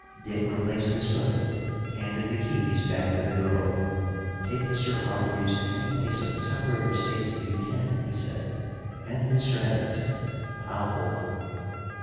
Dick replaced his hood, handed the keys back to the girl. "Take Mr. Hargreaves to any place of temporary safety you can," he said. "And Mr. Evans. I'll hold them!"